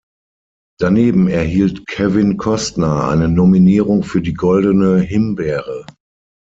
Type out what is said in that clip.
Daneben erhielt Kevin Costner eine Nominierung für die Goldene Himbeere.